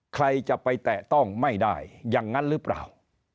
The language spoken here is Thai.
ใครจะไปแตะต้องไม่ได้อย่างนั้นหรือเปล่า